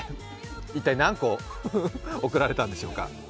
一体、何個贈られたんでしょうか。